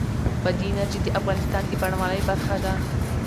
بادي انرژي د افغانستان د بڼوالۍ برخه ده.